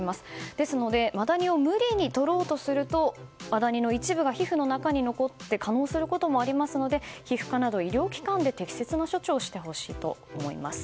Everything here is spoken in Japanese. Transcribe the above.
ですのでマダニを無理に取ろうとするとマダニの一部が皮膚の中に残って化膿することもありますので皮膚科など医療機関で適切な処置をしてほしいと思います。